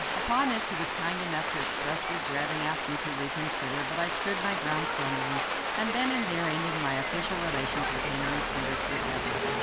Upon this he was kind enough to express regret, and ask me to reconsider; but I stood my ground firmly, and then and there ended my official relations with Henry Tudor forever.